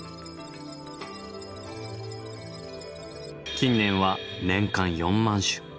近年は年間４万種。